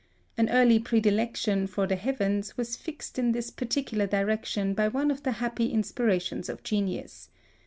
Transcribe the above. An early predilection for the heavens was fixed in this particular direction by one of the happy inspirations of genius.